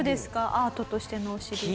アートとしてのお尻。